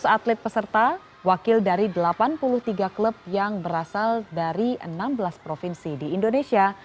dua ratus atlet peserta wakil dari delapan puluh tiga klub yang berasal dari enam belas provinsi di indonesia